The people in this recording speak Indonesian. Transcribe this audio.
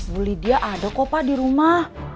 bu lydia ada kok pak di rumah